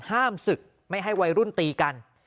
ห้ามศึกไม่ให้วัยรุ่นตีกัน